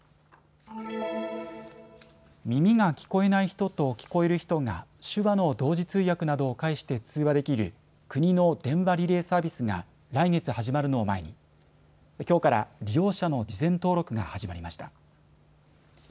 耳が聞こえない人と聞こえる人が手話の同時通訳などを介して通話できる国の電話リレーサービスが来月始まるのを前にきょうから利用者の事前登録が始まりました。